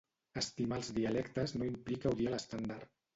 Estimar els dialectes no implica odiar l'estàndard.